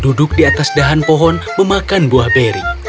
duduk di atas dahan pohon memakan buah beri